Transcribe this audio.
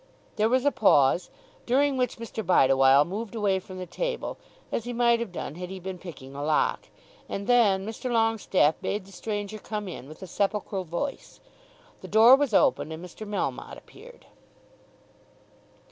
There was a pause, during which Mr. Bideawhile moved away from the table, as he might have done had he been picking a lock; and then Mr. Longestaffe bade the stranger come in with a sepulchral voice. The door was opened, and Mr. Melmotte appeared.